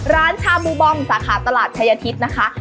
ชาบูบอมสาขาตลาดชายทิศนะคะ